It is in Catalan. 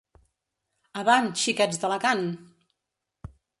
Avant, xiques d'Alacant!